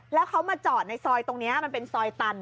แล้วเขามาจอดในซอยตรงนี้มันเป็นซอยตัน